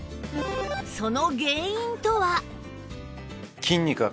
その原因とは？